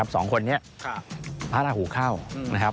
สองคนนี้พระราหูเข้า